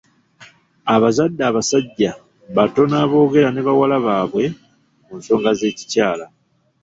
Abazadde abasajja batono aboogera ne bawala baabwe ku nsonga z'ekikyala.